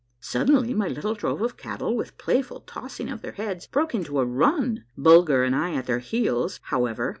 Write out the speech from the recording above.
Suddenly my little drove of cattle, with playful tossing of their heads, broke into a run, Bulger and I at their heels, hov^ ever.